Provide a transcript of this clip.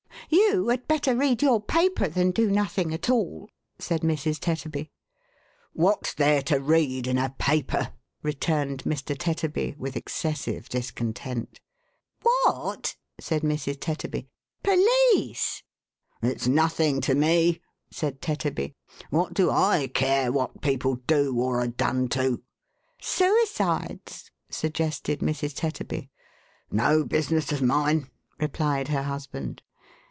"You had better read your paper than do nothing at all," said Mrs. Tetterby. "What's there to read in a paper?" returned Mr. Tetterby, with excessive discontent. " What ?" said Mrs. Tetterby. " Police." " It's nothing to me," said Tetterby. *• What do I care what people do, or are done to?" " Suicides," suggested Mrs. Tetterby. " No business of mine," replied her husband.